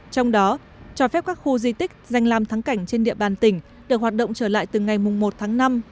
trong đó cho phép các khu di tích danh làm thắng cảnh trên địa bàn tỉnh được hoạt động trở lại từ ngày một tháng năm